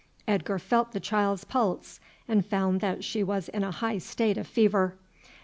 Edgar felt the child's pulse, and found that she was in a high state of fever.